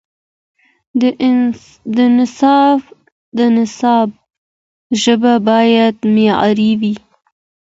د نصاب ژبه باید معیاري وي.